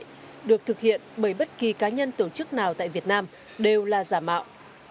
tỉnh pi network được thực hiện bởi bất kỳ cá nhân tổ chức nào tại việt nam đều là giả mạo